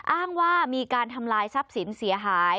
อ้างว่ามีการทำลายทรัพย์สินเสียหาย